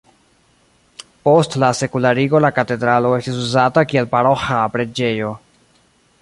Post la sekularigo la katedralo estis uzata kiel paroĥa preĝejo.